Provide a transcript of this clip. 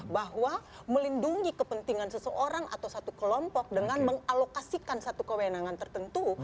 bahwa melindungi kepentingan seseorang atau satu kelompok dengan mengalokasikan satu kewenangan tertentu